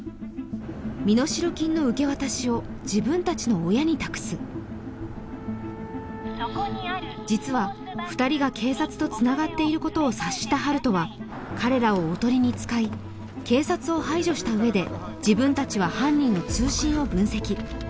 身代金の受け渡しを自分達の親に託す実は二人が警察とつながっていることを察した温人は彼らをおとりに使い警察を排除した上で自分達は犯人の通信を分析